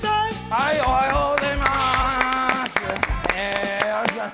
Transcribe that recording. おはようございます。